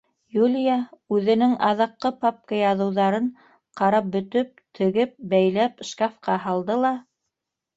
Юлия үҙенең аҙаҡҡы папка яҙыуҙарын ҡарап бөтөп, тегеп, бәйләп шкафҡа һалды ла: